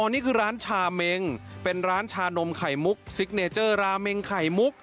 นี่คือร้านชาเมงเป็นร้านชานมไข่มุกซิกเนเจอร์ราเมงไข่มุก